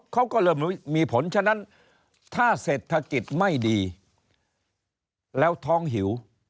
เขาก็เริ่มมีผลฉะนั้นถ้าเศรษฐกิจไม่ดีแล้วท้องหิว